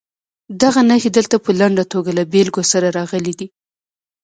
دغه نښې دلته په لنډه توګه له بېلګو سره راغلي دي.